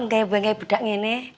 kayak bedak gini